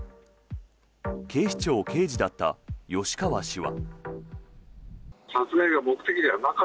警視庁刑事だった吉川氏は。